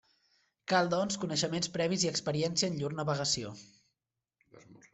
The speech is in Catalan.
Cal, doncs, coneixements previs i experiència en llur navegació.